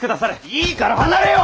いいから離れよ！